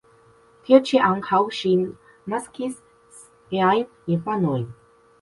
Tie ĉi ankaŭ ŝi naskis siajn infanojn.